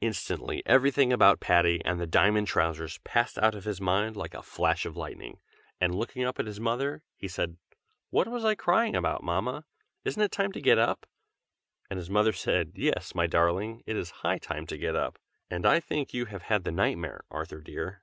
Instantly everything about Patty and the diamond trousers passed out of his mind like a flash of lightning, and looking up at his mother, he said: 'What was I crying about, Mamma? Isn't it time to get up?' And his mother said: 'Yes, my darling, it is high time to get up, and I think you have had the nightmare, Arthur dear.'